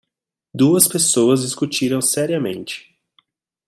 Duas pessoas discutiram seriamente